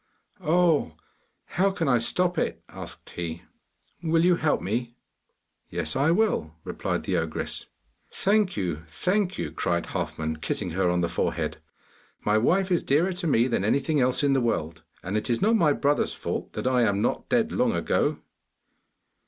'Oh, how can I stop it?' asked he. 'Will you help me?' 'Yes, I will,' replied the ogress. 'Thank you, thank you!' cried Halfman, kissing her on the forehead. 'My wife is dearer to me than anything else in the world, and it is not my brother's fault that I am not dead long ago.